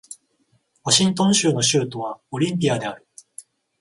ワシントン州の州都はオリンピアである